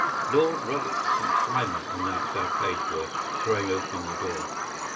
” “Lord Robert St. Simon,” announced our page boy, throwing open the door.